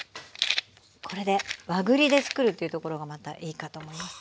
これで和栗でつくるっていうところがまたいいかと思います。